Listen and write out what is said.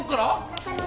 中野！？